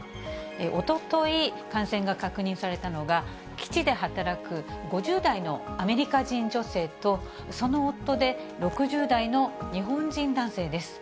おととい、感染が確認されたのが、基地で働く５０代のアメリカ人女性と、その夫で６０代の日本人男性です。